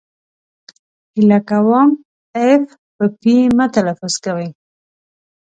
هیله کوم اف په پي مه تلفظ کوی!